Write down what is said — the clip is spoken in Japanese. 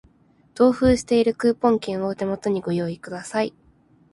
同封しているクーポン券を手元にご用意ください